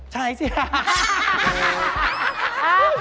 ใช่สิค่ะ